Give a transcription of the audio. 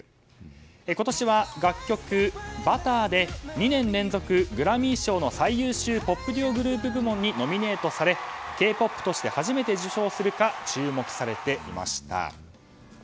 今年は楽曲「Ｂｕｔｔｅｒ」で２年連続グラミー賞の最優秀ポップデュオグループ部門にノミネートされＫ‐ＰＯＰとして初めて受賞するか注目されていました。